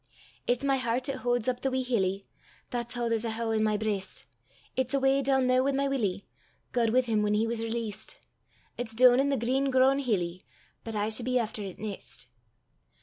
It's my hert 'at hauds up the wee hillie That's hoo there's a how i' my breist; It's awa doon there wi' my Willie, Gaed wi' him whan he was releast; It's doon i' the green grown hillie, But I s' be efter it neist.